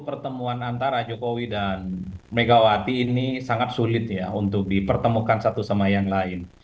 pertemuan antara jokowi dan megawati ini sangat sulit ya untuk dipertemukan satu sama yang lain